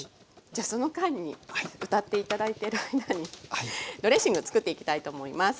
じゃあその間に歌って頂いてる間にドレッシング作っていきたいと思います。